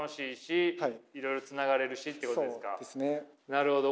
なるほど。